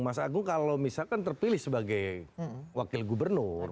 mas agung kalau misalkan terpilih sebagai wakil gubernur